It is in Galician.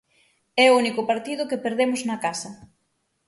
É o único partido que perdemos na casa.